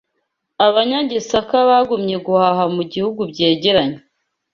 Abanyagisaka bagumye guhaha mu bihugu byegeranye